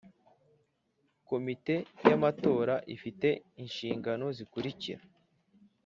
Komite y amatora ifite inshingano zikurikira